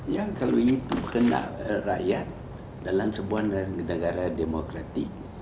ya kalau itu kena rakyat dalam sebuah negara demokratik